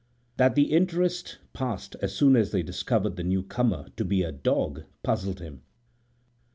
That the interest passed as soon as they discovered the new comer to be a dog puzzled him.